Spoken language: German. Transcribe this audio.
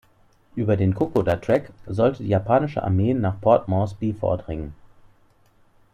Über den Kokoda Track sollte die japanische Armee nach Port Moresby vordringen.